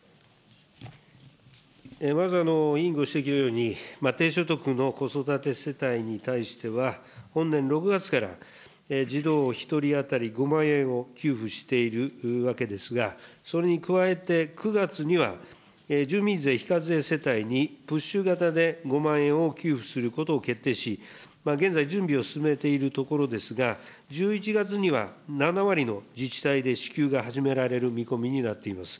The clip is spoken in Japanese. まず委員ご指摘のように、低所得の子育て世帯に対しては、本年６月から児童１人当たり５万円を給付しているわけですが、それに加えて、９月には住民税非課税世帯に、プッシュ型で５万円を給付することを決定し、現在、準備を進めているところですが、１１月には、７割の自治体で支給が始められる見込みになっています。